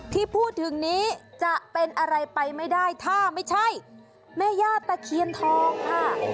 ที่พูดถึงนี้จะเป็นอะไรไปไม่ได้ถ้าไม่ใช่แม่ย่าตะเคียนทองค่ะ